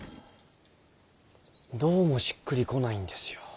どうもしっくりこないんですよ。